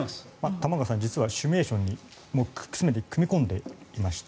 玉川さん実はシミュレーションに組み込んでいまして。